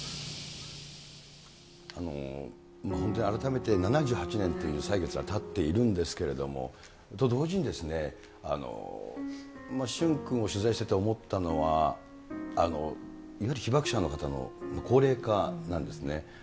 本当に改めて、７８年という歳月がたっているんですけれども、と同時にですね、駿君を取材してて思ったのは、より被爆者の方の高齢化なんですね。